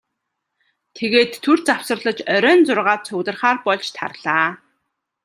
Тэгээд түр завсарлаж оройн зургаад цугларахаар болж тарлаа.